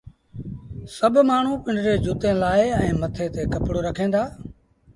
سڀ مآڻهوٚٚݩ پنڊريٚݩ جُتيٚن لآهي ائيٚݩ مٿي تي ڪپڙو رکين دآ